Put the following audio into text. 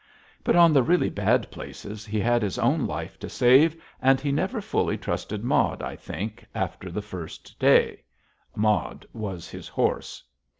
But on the really bad places he had his own life to save, and he never fully trusted Maud, I think, after the first day. Maud was his horse.